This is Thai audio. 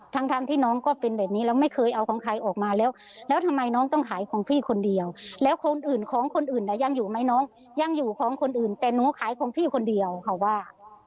ทั้งทั้งที่น้องก็เป็นแบบนี้แล้วไม่เคยเอาของใครออกมาแล้วแล้วทำไมน้องต้องขายของพี่คนเดียวแล้วคนอื่นของคนอื่นยังอยู่ไหมน้องยังอยู่ของคนอื่นแต่หนูขายของพี่คนเดียวค่ะว่า